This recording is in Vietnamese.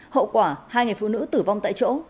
hậu quả hai người phụ nữ tử vong tại chỗ